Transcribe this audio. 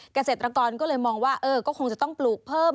เกษตรกรก็เลยมองว่าก็คงจะต้องปลูกเพิ่ม